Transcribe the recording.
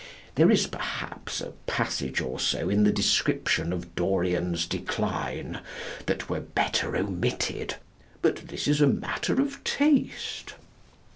There is, perhaps, a passage or so in the description of Dorian's decline that were better omitted. But this is a matter of taste.